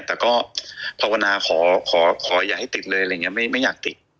แต่ก็ภาวนาขออย่าให้ติดเลยไม่อยากติด